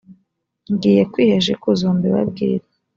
ngiye kwihesha ikuzo mbibabwire